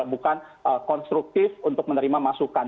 bukan konstruktif untuk menerima masukan